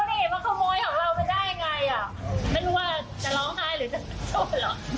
ยังไม่ได้เห็นว่าขโมยของเรามันได้ยังไงอ่ะไม่รู้ว่าจะร้องไห้หรือจะโชว์หรอก